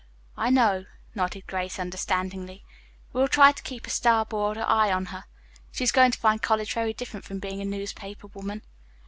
"I know," nodded Grace understandingly. "We will try to keep a starboard eye on her. She is going to find college very different from being a newspaper woman."